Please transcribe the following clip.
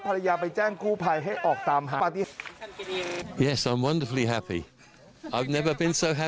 ภรรยาไปแจ้งกู้ภัยให้ออกตามหา